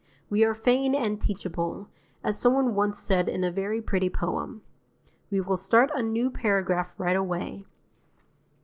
We are fain and teachable, as someone once said in a very pretty poem; we will start a new paragraph right away.